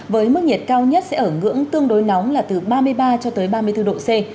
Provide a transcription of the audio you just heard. với mức nhiệt cao nhất sẽ ở ngưỡng tương đối nóng là từ ba mươi ba cho tới ba mươi bốn độ c